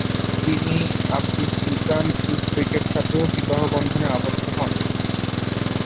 তিনি আব্বাস সুলতান উজবেগের সাথেও বিবাহ বন্ধনে আবদ্ধ হন।